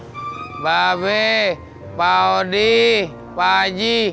mbak be pak odi pak haji